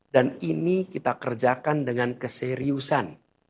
dan ini kita kerjakan dengan keseriusan